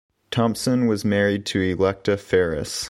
Thompson was married to Electa Ferris.